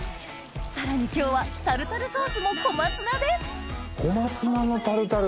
さらに今日はタルタルソースも小松菜で小松菜のタルタル！